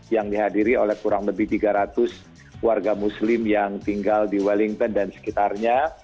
yang dihadiri oleh kurang lebih tiga ratus warga muslim yang tinggal di wellington dan sekitarnya